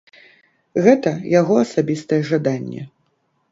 Гэта яго асабістае жаданне.